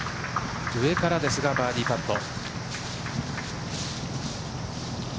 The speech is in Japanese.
上からですがバーディーパット。